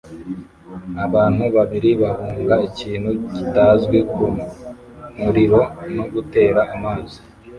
Abantu babiri bahunga ikintu kitazwi ku muriro no gutera amazi